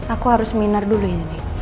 aku harus minar dulu ini